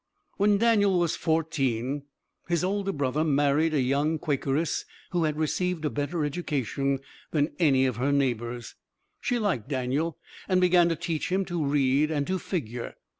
When Daniel was fourteen his older brother married a young Quakeress who had received a better education than any of her neighbors. She liked Daniel and began to teach him to read and to figure.